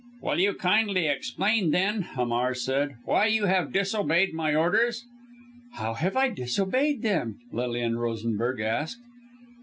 "Will you kindly explain, then," Hamar said, "why you have disobeyed my orders?" "How have I disobeyed them?" Lilian Rosenberg asked.